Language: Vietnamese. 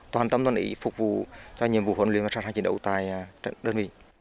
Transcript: toàn tâm toàn ý phục vụ cho nhiệm vụ huấn luyện và sản sản chiến đấu tại đơn vị